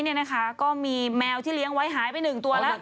แล้วก็มีแมวที่เลี้ยงไว้หายไปหนึ่งตัวแล้ว